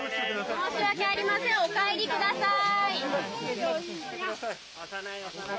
申し訳ありません、お帰りください。